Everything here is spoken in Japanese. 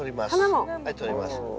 はいとります。